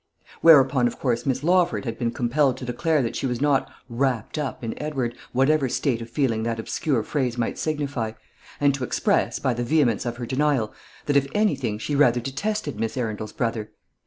Whereupon, of course, Miss Lawford had been compelled to declare that she was not "wrapped up" in Edward, whatever state of feeling that obscure phrase might signify; and to express, by the vehemence of her denial, that, if anything, she rather detested Miss Arundel's brother.